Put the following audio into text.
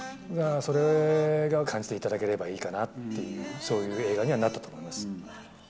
それを感じていただければいいかなっていう、そういう映画にはなったと思います。